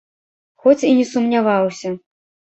Хоць і не сумняваўся.